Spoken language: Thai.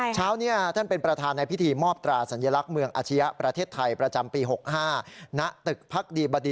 เช้านี้ท่านเป็นประธานในพิธีมอบตราสัญลักษณ์เมืองอาชียะประเทศไทยประจำปี๖๕ณตึกพักดีบดี